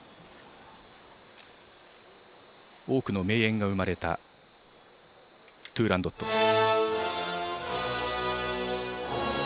多くの名演が生まれた「トゥーランドット」。